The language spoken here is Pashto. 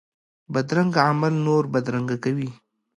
بدرنګه عمل نور بدرنګه کوي